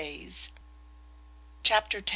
Chapter x.